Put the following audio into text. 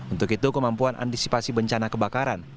untuk itu kemampuan antisipasi bencana kebakaran